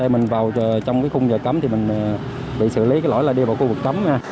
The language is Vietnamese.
mình vào trong khung giờ cấm mình bị xử lý lỗi đi vào khu vực cấm